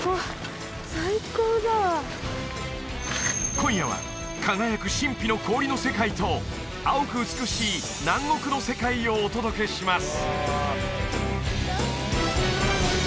今夜は輝く神秘の氷の世界と青く美しい南国の世界をお届けします！